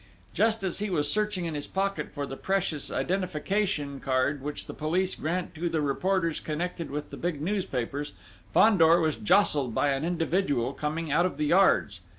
Just as he was searching in his pocket for the precious identification card, which the police grant to the reporters connected with the big newspapers, Fandor was jostled by an individual coming out of the yards.